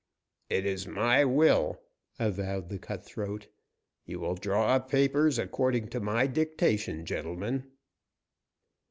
"It is my will," avowed the cutthroat. "You will draw up papers according to my dictation, gentlemen."